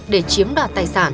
để chiếm đoạt tài sản